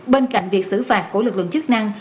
bên cạnh việc xử phạt của lực lượng chức năng